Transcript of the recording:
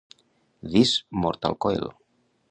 This Mortal Coil